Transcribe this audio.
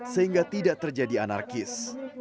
sehingga tidak terjadi anarkis